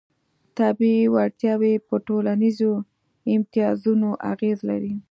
طبیعي وړتیاوې په ټولنیزو امتیازونو اغېز لري.